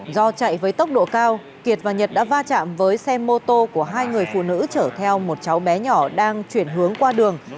do chạy với tốc độ cao kiệt và nhật đã va chạm với xe mô tô của hai người phụ nữ chở theo một cháu bé nhỏ đang chuyển hướng qua đường